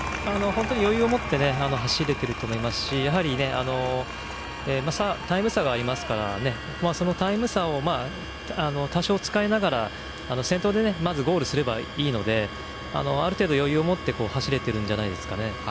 余裕を持って走れていると思いますしタイム差がありますからそのタイム差を多少、使いながら先頭でまずゴールすればいいのである程度、余裕を持って走れているんじゃないですかね。